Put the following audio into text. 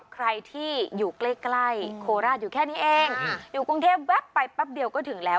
ใครที่อยู่ใกล้ใกล้โคราชอยู่แค่นี้เองอยู่กรุงเทพแป๊บไปแป๊บเดียวก็ถึงแล้ว